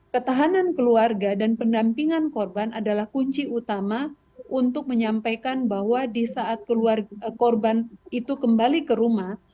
ketahanan keluarga dan pendampingan korban adalah kunci utama untuk menyampaikan bahwa di saat korban itu kembali ke rumah